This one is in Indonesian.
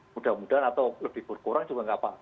mudah mudahan atau lebih kurang juga nggak apa